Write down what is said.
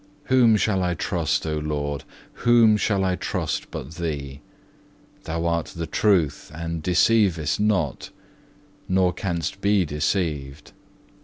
Whom shall I trust, O Lord, whom shall I trust but Thee? Thou art the Truth, and deceivest not, nor canst be deceived.